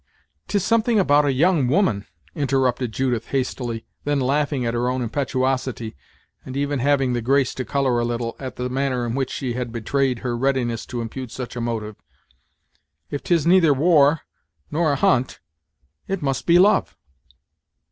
"'Tis something about a young woman," interrupted Judith hastily, then laughing at her own impetuosity, and even having the grace to colour a little, at the manner in which she had betrayed her readiness to impute such a motive. "If 'tis neither war, nor a hunt, it must be love."